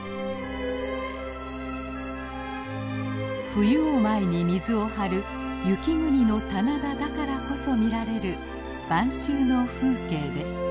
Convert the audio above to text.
冬を前に水を張る雪国の棚田だからこそ見られる晩秋の風景です。